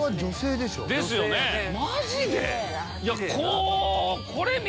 マジで？